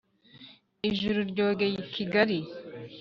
ijuru ryogeye i kigali,